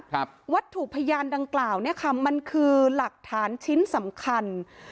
วัตถุพยานดังกล่าวเนี้ยค่ะมันคือหลักฐานชิ้นสำคัญ